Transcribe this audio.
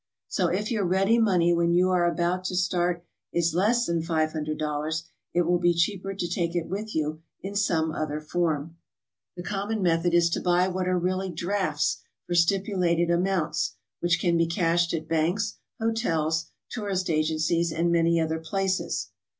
So if your ready money SOMEWHAT FINANCIAL. 187 when you are about to »tart is less than $500, it will be cheaper to take it witb you in some other form. The com mon method is to buy what are really drafts for stipulated amounts, whkh can be cashed at banks, hotels, tourist agen cies, and many other places.